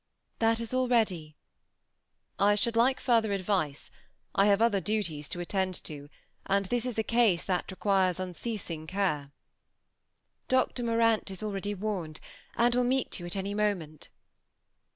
" That is all ready." "I should like iurther advice. I have other dudes to attend to, and this is a case that requires unceasing care." " Dr. Morant is already warned, and will meet yon at any moment."